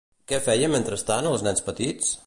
Què feien mentrestant els nens petits?